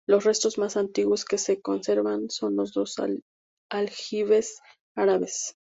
Los restos más antiguos que se conservan son dos aljibes árabes.